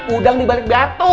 udang dibalik batu